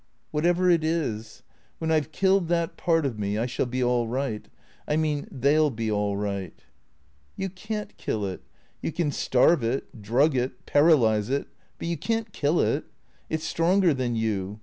"" Whatever it is. When I 've killed that part of me I shall be all right. I mean — they '11 be all right." " You can't kill it. You can starve it, drug it, paralyze it, but you can't kill it. It 's stronger than you.